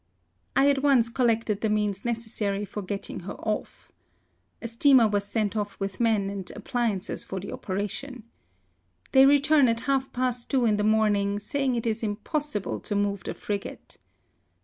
I at once collected the means necessary for gettiDg her off. A steamer was sent off with men and appli ances for the operation. They return at half past two in the morning, saying it is impossible to move the frigate.